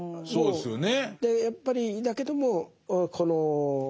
そうですね。